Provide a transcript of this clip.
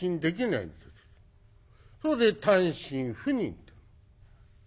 それで単身赴任と。